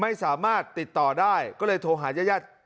ไม่สามารถติดต่อได้ก็เลยโทรหายาด